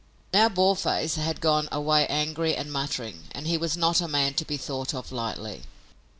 Now Boarface had gone away angry and muttering, and he was not a man to be thought of lightly.